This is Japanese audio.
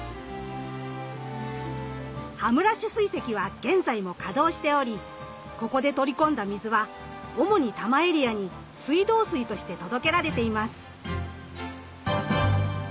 羽村取水堰は現在も稼働しておりここで取り込んだ水は主に多摩エリアに水道水として届けられています。